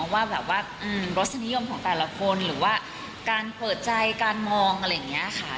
ว่ารสนิยมของแต่ละคนหรือการเปิดใจการมองแล้วอย่างเงี้ยค่ะ